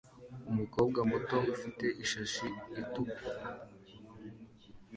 Umukobwa muto ufite ishati itukura